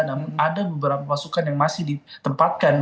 namun ada beberapa pasukan yang masih ditempatkan